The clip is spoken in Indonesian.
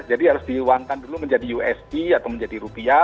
jadi harus diuangkan dulu menjadi usd atau menjadi rupiah